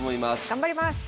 頑張ります！